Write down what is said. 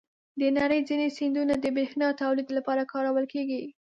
د نړۍ ځینې سیندونه د بریښنا تولید لپاره کارول کېږي.